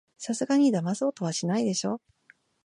さすがにだまそうとはしないでしょ